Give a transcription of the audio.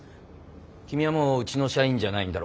君はもううちの社員じゃないんだろ？